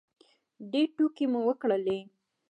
ډېرې ټوکې مو وکړلې